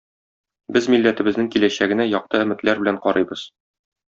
Без милләтебезнең киләчәгенә якты өметләр белән карыйбыз.